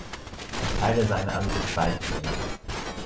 Ich teile seine Ansicht weitgehend.